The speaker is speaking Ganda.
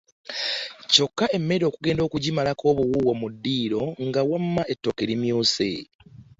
Kyokka emmere okugenda okugimalako obuwuuwo mu ddiiro nga wamma etooke limyuse.